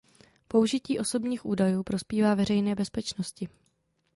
Použití osobních údajů prospívá veřejné bezpečnosti.